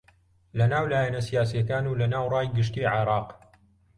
لەناو لایەنە سیاسییەکان و لەناو ڕای گشتی عێراق